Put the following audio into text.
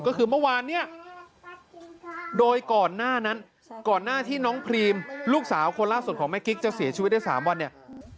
ก็คือเมื่อวานเนี่ยโดยก่อนหน้านั้นก่อนหน้าที่น้องพรีมลูกสาวคนล่าสุดของแม่กิ๊กจะเสียชีวิตได้๓วันเนี่ย